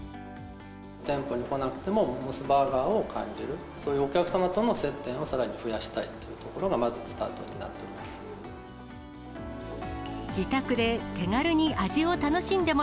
店舗に来なくても、モスバーガーを感じる、そういうお客様との接点をさらに増やしたいというところが、自宅で手軽に味を楽しんでも